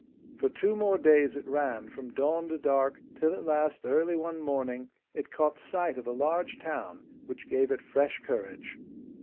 For two more days it ran, from dawn to dark, till at last early one morning it caught sight of a large town, which gave it fresh courage.